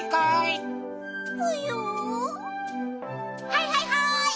はいはいはい！